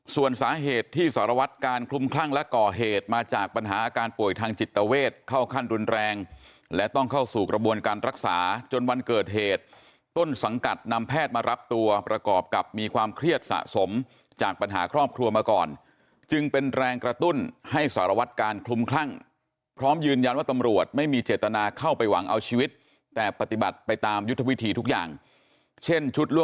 ส่วนสาเหตุที่สารวัดการคลุ่มคลั่งและก่อเหตุมาจากปัญหาการป่วยทางจิตเวทเข้าขั้นรุนแรงและต้องเข้าสู่กระบวนการรักษาจนวันเกิดเหตุต้นสังกัดนำแพทย์มารับตัวประกอบกับมีความเครียดสะสมจากปัญหาครอบครัวมาก่อนจึงเป็นแรงกระตุ้นให้สารวัดการคลุมคลั่งพร้อมยืนยันว่าตำรวจไม่มีเจ